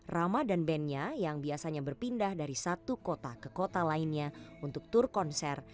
rama dan bandnya yang biasanya berpindah dari satu kota ke kota lainnya untuk tur konser